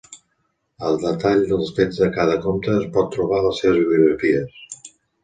El detall dels fets de cada comte es pot trobar a les seves biografies.